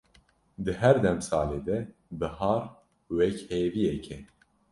di her demsalê de bihar wek hêviyeke